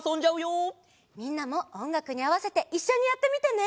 みんなもおんがくにあわせていっしょにやってみてね！